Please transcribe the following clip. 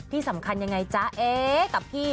ที่สำคัญยังไงจ๊ะเอ๊กับพี่